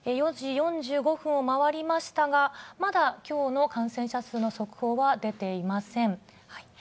４時４５分を回りましたが、まだきょうの感染者数の速報は出ていません。